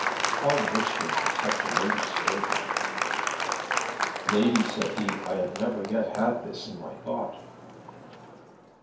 How richly could such a lady serve you!" "Lady," said he, "I have never yet had this in my thought."